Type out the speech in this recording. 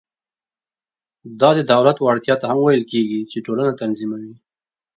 دا د دولت وړتیا ته هم ویل کېږي چې ټولنه تنظیموي.